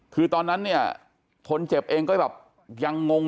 คือตอนนั้นเนี่ยคนเจ็บเองก็แบบยังงง